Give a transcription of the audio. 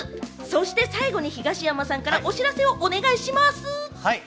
最後に東山さんからお知らせお願いします。